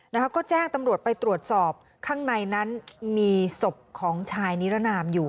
นะคะก็แจ้งตำรวจไปตรวจสอบข้างในนั้นมีศพของชายนิรนามอยู่